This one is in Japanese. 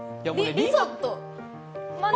リゾット？